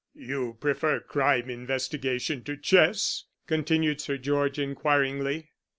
"You prefer crime investigation to chess?" continued Sir George inquiringly.